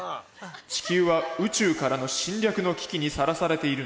「地球は宇宙からの侵略の危機にさらされているんだ」。